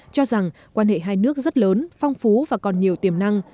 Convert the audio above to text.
cho rằng quan hệ hai nước rất lớn phong phú và còn nhiều tiềm năng